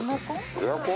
エアコン？